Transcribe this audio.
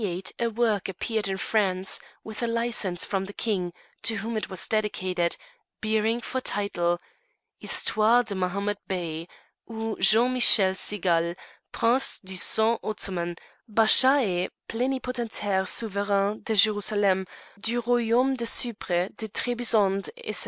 In 1668 a work appeared in France, with a license from the King, to whom it was dedicated, bearing for title, _Histoire de Mahomet Bey, ou de Jean Michel Cigale, Prince du Sang Ottoman, Basha et Plénipotentaire Souverain de Jerusalem, du Royaume de Cypre, de Trebizonde_, etc.